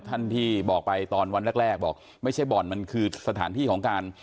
ที่บอกไปตอนวันแรกแรกบอกไม่ใช่บ่อนมันคือสถานที่ของการ